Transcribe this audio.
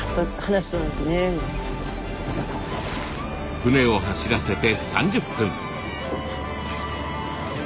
船を走らせて３０分。